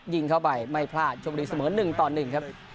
ยิงเข้าไปไม่พลาดชมบุรีเสมอหนึ่งต่อหนึ่งครับ